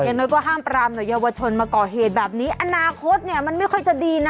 อย่างน้อยก็ห้ามปรามหน่อยเยาวชนมาก่อเหตุแบบนี้อนาคตเนี่ยมันไม่ค่อยจะดีนะ